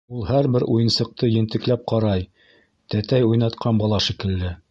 Ул һәр бер уйынсыҡты ентекләп ҡарай, тәтәй уйнатҡан бала шикелле: